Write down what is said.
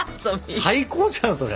最高じゃんそれ。